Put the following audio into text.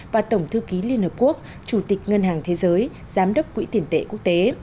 và tổng thư ký liên hợp quốc chủ tịch ngân hàng thế giới giám đốc quỹ tiền tệ quốc tế